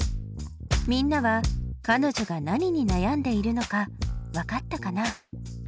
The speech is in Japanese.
みんなはかのじょが何に悩んでいるのかわかったかな？